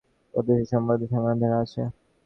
এদেশে এ-সম্বন্ধে সামান্য ধারণা আছে।